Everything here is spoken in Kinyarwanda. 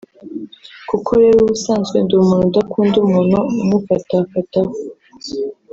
Kuko rero ubusanzwe ndi umuntu udakunda umuntu umufatafataho